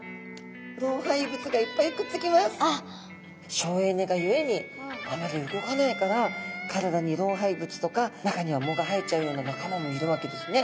省エネがゆえにあまり動かないから体に老廃物とか中には藻が生えちゃうような仲間もいるわけですね。